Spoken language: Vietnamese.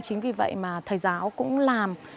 chính vì vậy mà thầy giáo cũng làm